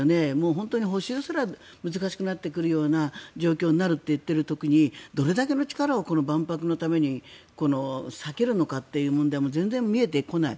本当に補修すら難しくなる状況になるという時にどれだけの力を万博のために割けるのかという問題も全然見えてこない。